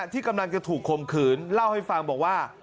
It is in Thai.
ที่กำลังจะถูกคมขืนเล่าให้ฟังบอกว่า